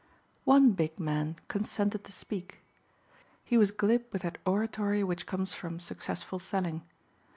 One big man consented to speak. He was glib with that oratory which comes from successful selling.